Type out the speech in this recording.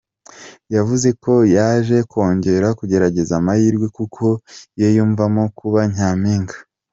Yavuze ko yaje kongera kugerageza amahirwe kuko ’yiyumvamo kuba Nyampinga’.